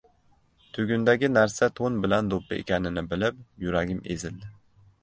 Tugundagi narsa to‘n bilan do‘ppi ekanini bilib, yuragim ezildi.